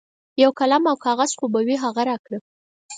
یو قلم او کاغذ خو به وي هغه راکړه.